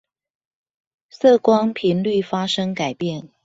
色光頻率發生改變